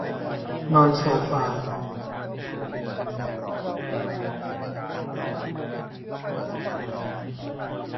นอนโซฟา